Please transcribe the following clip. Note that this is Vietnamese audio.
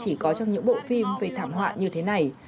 chỉ có trong những bộ phim về thảm họa như thế này